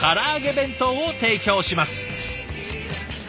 弁当を提供します。